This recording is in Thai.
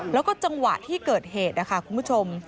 แล้วก็จังหวะที่เกิดเหตุนะคะคุณผู้ชม